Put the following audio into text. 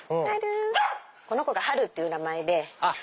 この子がハルっていう名前で。